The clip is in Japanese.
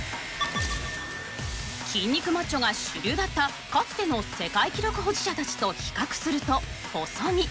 筋肉マッチョが主流だったかつての世界記録保持者たちと比較すると細身。